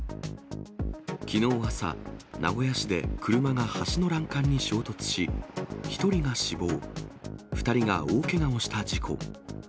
きのう朝、名古屋市で車が橋の欄干に衝突し、１人が死亡、２人が大けがをした事故。